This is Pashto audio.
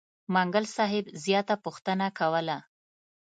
منګل صاحب زیاته پوښتنه کوله.